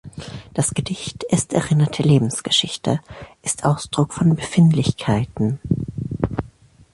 Das Gedicht ist erinnerte Lebensgeschichte, ist Ausdruck von Befindlichkeiten…“".